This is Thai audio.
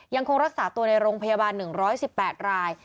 ยังคงรักษาตัวในโรงพยาบาล๑๑๘ราย